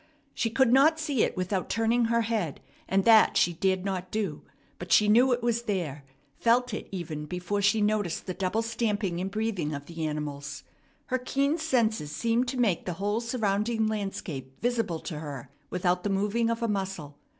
She could not see it without turning her head, and that she dared not do; but she knew it was there, felt it even before she noticed the double stamping and breathing of the animals. Her keen senses seemed to make the whole surrounding landscape visible to her without the moving of a muscle.